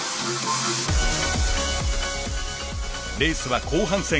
レースは後半戦。